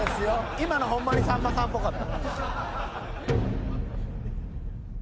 今のホンマにさんまさんっぽかった。